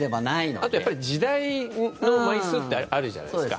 あとはやっぱり時代の枚数ってあるじゃないですか。